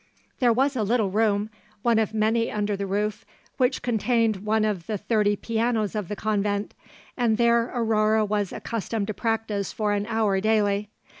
There was a little room one of many under the roof which contained one of the thirty pianos of the convent, and there Aurore was accustomed to practise for an hour daily.